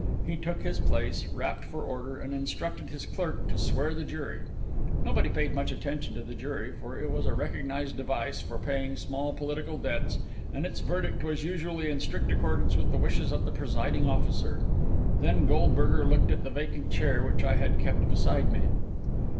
He took his place, rapped for order, and instructed his clerk to swear the jury. Nobody paid much attention to the jury, for it was a recognised device for paying small political debts, and its verdict was usually in strict accord with the wishes of the presiding officer. Then Goldberger looked at the vacant chair which I had kept beside me.